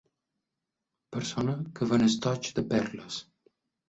Persona que ven estoigs de perles.